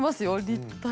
立体。